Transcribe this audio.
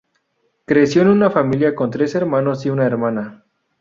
Creció en una familia con tres hermanos y una hermana.